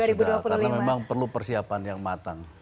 sudah karena memang perlu persiapan yang matang